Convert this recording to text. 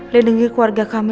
lih dengir keluarga kami